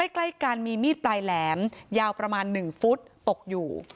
ใกล้กันมีมีดปลายแหลมยาวประมาณ๑ฟุตตกอยู่